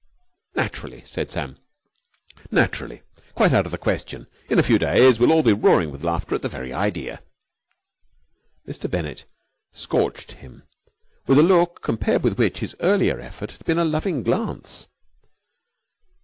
"Naturally!" said Sam. "Naturally! Quite out of the question. In a few days we'll all be roaring with laughter at the very idea." Mr. Bennett scorched him with a look compared with which his earlier effort had been a loving glance.